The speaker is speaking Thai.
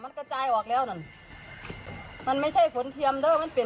มันกระจายออกแล้วนั่นมันไม่ใช่ฝนเทียมเด้อมันเป็น